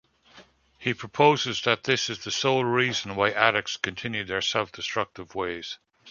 He proposes that this is the sole reason why addicts continue their self-destructive ways.